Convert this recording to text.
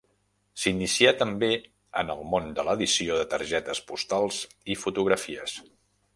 S'inicià també en el món de l'edició de targetes postals i fotografies.